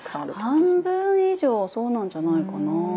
半分以上そうなんじゃないかなぁ。